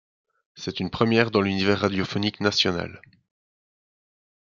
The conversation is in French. C’est une première dans l’univers radiophonique national.